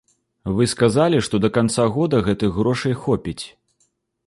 Вы сказалі, што да канца года гэтых грошай хопіць.